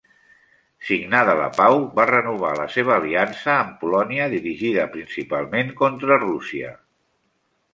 Signada la pau va renovar la seva aliança amb Polònia dirigida principalment contra Rússia.